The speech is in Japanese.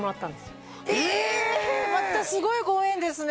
またすごいご縁ですね